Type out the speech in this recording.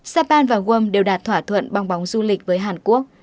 saipan và guam đều đạt thỏa thuận bong bóng du lịch với hàn quốc